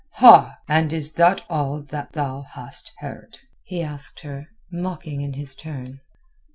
"Ha! And is that all that thou hast heard?" he asked her mocking in his turn.